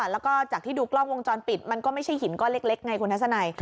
แล้วก็จากที่ดูกล้องวงจรปิดมันก็ไม่ใช่หินก้อนเล็กไงคุณทัศนัย